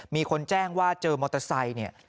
มีคนแจ้งว่าเจอมอเตอร์ไซค์เนี่ย